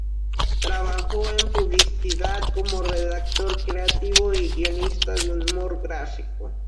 Trabajó en publicidad como redactor creativo y guionista de humor gráfico.